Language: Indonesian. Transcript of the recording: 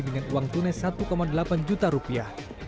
dengan uang tunai satu delapan juta rupiah